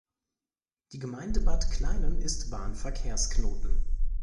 Die Gemeinde Bad Kleinen ist Bahn-Verkehrsknoten.